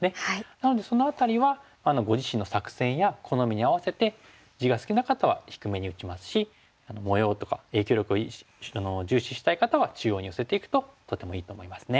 なのでその辺りはご自身の作戦や好みに合わせて地が好きな方は低めに打ちますし模様とか影響力を重視したい方は中央に寄せていくととてもいいと思いますね。